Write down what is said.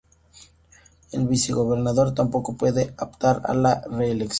El vicegobernador tampoco puede optar a la reelección.